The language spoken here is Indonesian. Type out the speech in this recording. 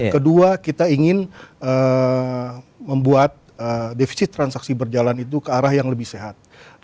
kedua kita ingin membuat defisit transaksi berjalan itu ke arah yang lebih sehat